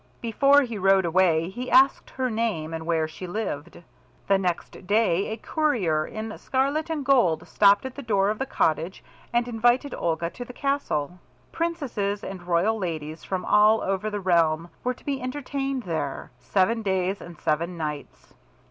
Before he rode away he asked her name and where she lived. The next day a courier in scarlet and gold stopped at the door of the cottage and invited Olga to the castle. Princesses and royal ladies from all over the realm were to be entertained there, seven days and seven nights.